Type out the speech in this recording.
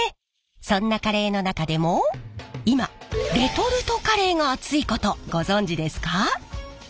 そんなカレーの中でも今レトルトカレーが熱いことご存じですか？